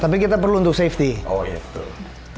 tapi kita perlu untuk safety oh iya tuh